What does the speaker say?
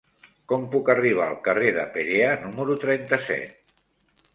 Com puc arribar al carrer de Perea número trenta-set?